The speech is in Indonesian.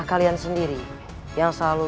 itu adalah pengguna rasa kesayangan